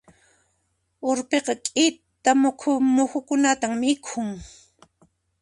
Urpiqa k'ita muhukunata mikhun.